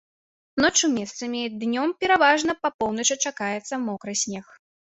Ноччу месцамі, днём пераважна па поўначы чакаецца мокры снег.